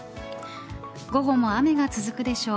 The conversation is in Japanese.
午後も雨が続くでしょう。